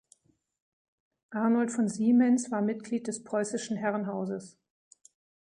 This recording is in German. Arnold von Siemens war Mitglied des Preußischen Herrenhauses.